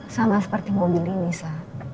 sama seperti mobil ini bisa